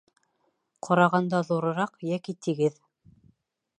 Ҡарағанда ҙурыраҡ йәки тигеҙ